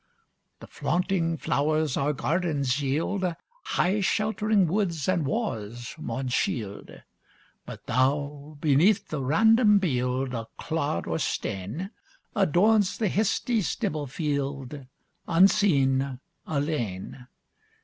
The flaunting flowers our gardens yield, High shelt'ring woods and wa's maun shield; But thou beneath the random bield O' clod or stane, Adorns the histie stibble field, Unseen, alane.